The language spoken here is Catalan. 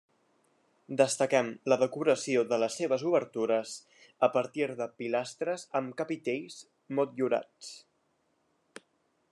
Destaquem la decoració de les seves obertures a partir de pilastres amb capitells motllurats.